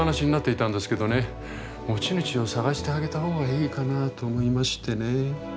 持ち主を捜してあげたほうがいいかなと思いましてね。